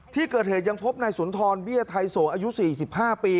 ที่เกิดเหตุยังพบนายสุนทรเบี้ยไทยโสอายุ๔๕ปี